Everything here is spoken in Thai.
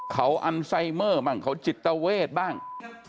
เขาอันไซเมอร์บ้างเขาจิตเวทบ้าง